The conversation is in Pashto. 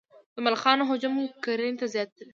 د ملخانو هجوم کرنې ته زیان رسوي؟